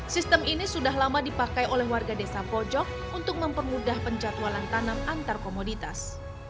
sistem ini sudah lama dipakai oleh warga desa poujok untuk mempermudah pencatualan tanam antarkomoditas